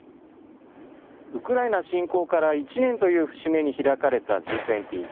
ウクライナ侵攻から１年という節目に開かれたＧ２０。